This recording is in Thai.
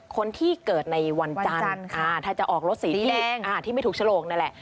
คนที่เกิดในวันจันทร์ถ้าจะออกรถสีแดงที่ไม่ถูกฉลกนั่นแหละ